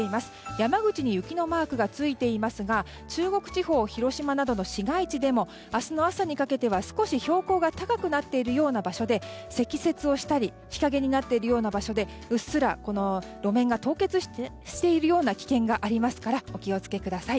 山口に雪のマークがついていますが中国地方、広島などの市街地でも明日の朝にかけては少し標高が高くなっているような場所で積雪をしたり日陰になっているような場所でうっすら路面が凍結しているような危険がありますからお気を付けください。